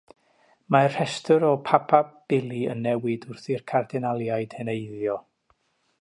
Mae'r rhestr o "papabili" yn newid wrth i'r cardinaliaid heneiddio.